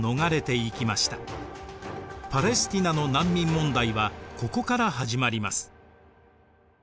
パレスティナの難民問題はここから始まります。